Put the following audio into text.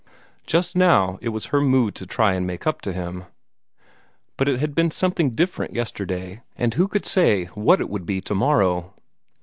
Just now it was her mood to try and make up to him. But it had been something different yesterday, and who could say what it would be tomorrow?